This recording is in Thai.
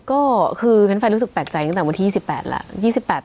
ก็คือเป็นแฟนรู้สึกแปลกใจตั้งแต่วันที่๒๘แล้ว